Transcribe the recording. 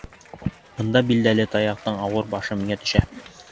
Бында, билдәле, таяҡтың ауыр башы миңә төшә.